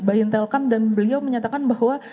baintelkam dan beliau menyatakan bahwa